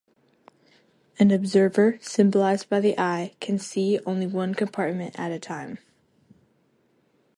An observer, symbolized by the eye, can "see" only one compartment at a time.